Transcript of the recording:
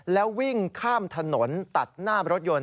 แล้ววิ่งข้ามถนนตัดหน้ารถยนต์